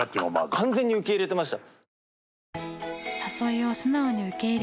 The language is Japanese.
完全に受け入れてました。